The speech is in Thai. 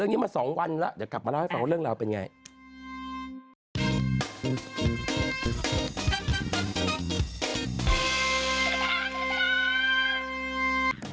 นางคิดแบบว่าไม่ไหวแล้วไปกด